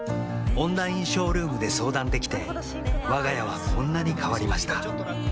オンラインショールームで相談できてわが家はこんなに変わりました